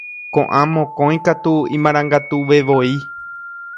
Ko'ã mokõi katu imarangatuvevoi.